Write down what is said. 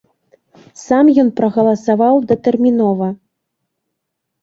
Сам ён прагаласаваў датэрмінова.